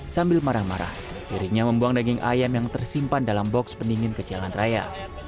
sambil marah marah dirinya membuang daging ayam yang tersimpan dalam box pendingin ke jalan raya